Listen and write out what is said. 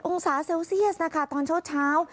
องศาเซลเซียสนะคะตอนเช้า